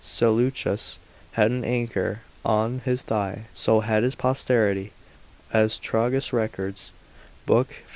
Seleucus had an anchor on his thigh, so had his posterity, as Trogus records, lib. 15.